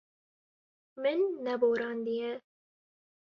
Min neborandiye.